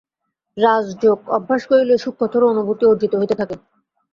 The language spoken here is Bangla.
রাজযোগ অভ্যাস করিলে সূক্ষ্মতর অনুভূতি অর্জিত হইতে থাকে।